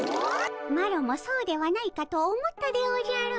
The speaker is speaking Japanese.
マロもそうではないかと思ったでおじゃる。